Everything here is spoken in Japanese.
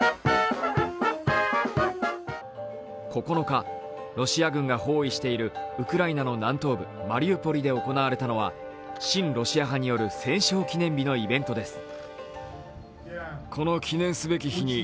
９日、ロシア軍が包囲しているウクライナの南東部マリウポリで行われたのは親ロシア派による戦勝記念日のイベントです。